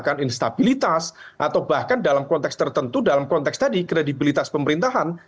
dengan instabilitas atau bahkan dalam konteks tertentu dalam konteks tadi kredibilitas pemerintahan